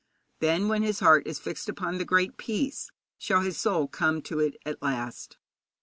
Then, when his heart is fixed upon the Great Peace, shall his soul come to it at last.